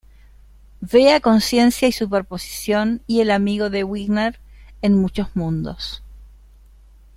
Vea Conciencia y superposición y El amigo de Wigner en muchos mundos.